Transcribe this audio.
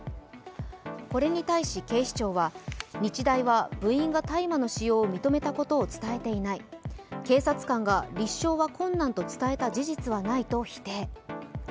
これに対し、警視庁は日大は部員が大麻の使用を認めたことを伝えていない、警察官が立証は困難と伝えた事実はないと否定。